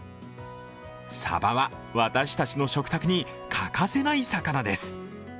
サバは私たちの食卓に欠かせない魚です。